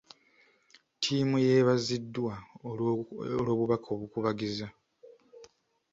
Ttiimu yeebaziddwa olw'obubaka obukubagiza.